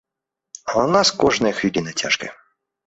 А ў нас кожная хвіліна цяжкая.